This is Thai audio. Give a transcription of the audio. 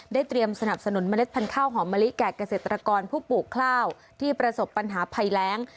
เตรียมสนับสนุนเมล็ดพันธุ์ข้าวหอมมะลิแก่เกษตรกรผู้ปลูกข้าวที่ประสบปัญหาภัยแรง